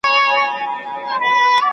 چي غول خورې د پلو خوره دا خوره.